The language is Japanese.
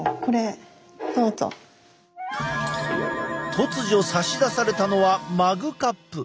突如差し出されたのはマグカップ。